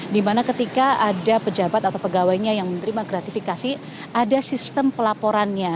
dimana ketika ada pejabat atau pegawainya yang menerima gratifikasi ada sistem pelaporannya